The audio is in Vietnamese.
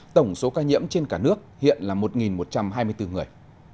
tổng số ca nhiễm trên cả nước hiện là một một trăm hai mươi bốn người